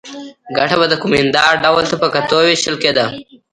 ګټه به د کومېندا ډول ته په کتو وېشل کېده.